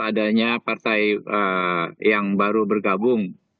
adanya partai yang baru bergabung